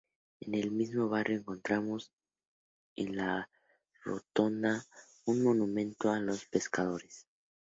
En el mismo barrio encontramos en la rotonda un monumento a los pescadores.